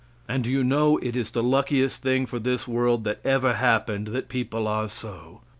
And do you know it is the luckiest thing for this world that ever happened that people are so.